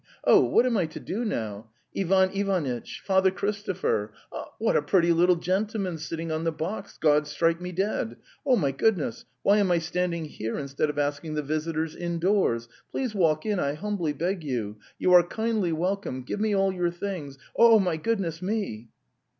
Oh, what am I to do now? Ivan Ivanitch! Father Chris topher! What a pretty little gentleman sitting on the box, God strike me dead! Oh, my goodness! why am I standing here instead of asking the visitors indoors? Please walk in, I humbly beg you... . You are kindly welcome! Give me all your things. ... Oh, my goodness me!